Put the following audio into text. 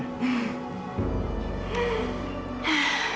bajak kamu tuh